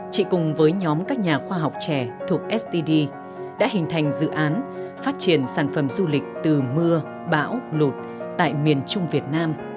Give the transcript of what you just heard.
chị cùng với nhóm các nhà khoa học trẻ thuộc std đã hình thành dự án phát triển sản phẩm du lịch từ mưa bão lụt tại miền trung việt nam